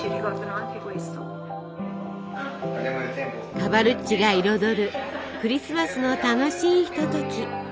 カバルッチが彩るクリスマスの楽しいひととき。